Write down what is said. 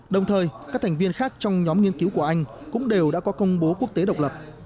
đồng thời các thành viên khác trong nhóm nghiên cứu của anh cũng đều đã có công bố quốc tế độc lập